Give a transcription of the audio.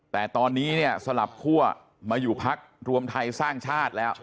แต่ตอนนี้สลับคั่วมาอยู่พรรครวมทายทราบชาติแล้ว